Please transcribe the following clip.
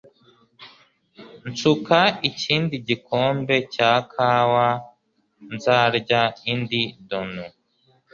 Nsuka ikindi gikombe cya kawa nzarya indi donut.